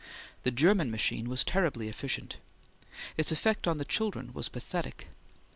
The German machine was terribly efficient. Its effect on the children was pathetic.